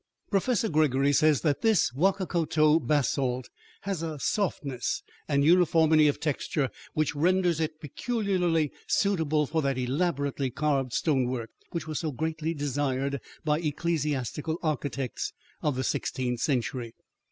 Professor Gregory says that this Huaccoto basalt has a softness and uniformity of texture which renders it peculiarly suitable for that elaborately carved stonework which was so greatly desired by ecclesiastical architects of the sixteenth century.